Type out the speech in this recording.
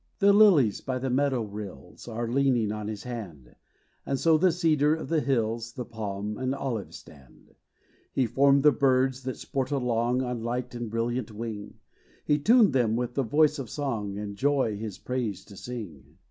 The lilies by the meadow rills Are leaning on his hand; And so the cedar of the hills, The palm and olive stand. He formed the birds, that sport along On light and brilliant wing; And tuned them with the voice of song And joy his praise to sing.